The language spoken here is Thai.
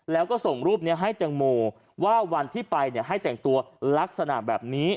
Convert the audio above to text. แล้วก็ส่งรูปนี้ให้แตงโมว่าวันที่ไปให้แต่งตัวลักษณะแบบนี้